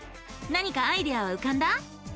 何かアイデアはうかんだ？